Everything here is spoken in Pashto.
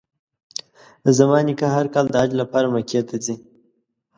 زما نیکه هر کال د حج لپاره مکې ته ځي.